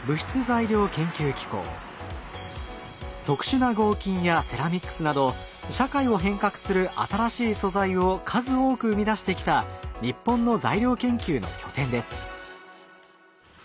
特殊な合金やセラミックスなど社会を変革する新しい素材を数多く生み出してきた日本の材料研究の拠点です。